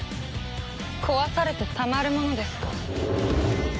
壊されてたまるものですか。